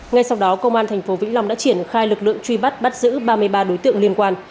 ngay sau đó công an tp vĩnh long đã triển khai lực lượng truy bắt bắt giữ ba mươi ba đối tượng liên quan